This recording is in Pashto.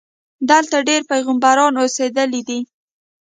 دلته ډېر پیغمبران اوسېدلي دي.